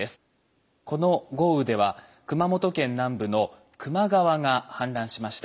この豪雨では熊本県南部の球磨川が氾濫しました。